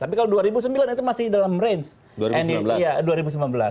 tapi kalau dua ribu sembilan itu masih dalam range